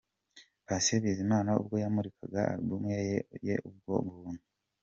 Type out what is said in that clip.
Patient Bizimana ubwo yamurikaga album ye'Ubwo buntu'.